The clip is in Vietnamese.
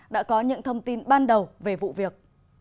đã có những thông tin ban đầu về vụ việc